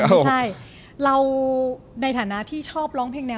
พี่เริ่มมาเป็นอย่างงี้พ่อเป็นอย่างงี้พ่อเป็นอย่างงี้